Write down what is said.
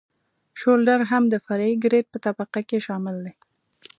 شولډر هم د فرعي ګریډ په طبقه کې شامل دی